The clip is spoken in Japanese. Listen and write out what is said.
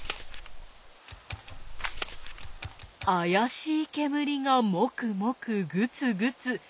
あやしいけむりがもくもくぐつぐつ。